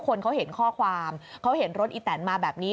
คนเขาเห็นข้อความเขาเห็นรถอีแตนมาแบบนี้